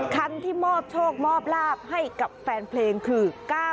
คันที่มอบโชคมอบลาบให้กับแฟนเพลงคือ๙๙